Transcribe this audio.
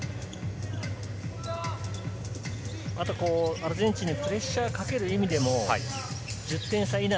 アルゼンチンにプレッシャーをかける意味でも、１０点差以内。